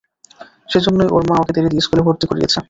সেজন্যই, ওর মা ওকে দেরিতে স্কুলে ভর্তি করিয়েছে।